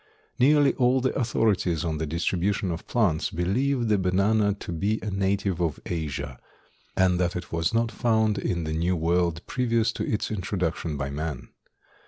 Nearly all the authorities on the distribution of plants believe the banana to be a native of Asia and that it was not found in the New World previous to its introduction by man.